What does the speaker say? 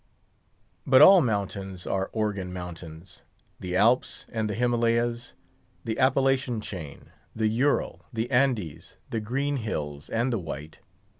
But all mountains are Organ Mountains: the Alps and the Himalayas; the Appalachian Chain, the Ural, the Andes, the Green Hills and the White.